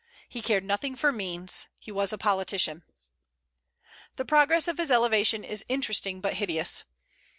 He cared nothing for means. He was a politician. The progress of his elevation is interesting, but hideous.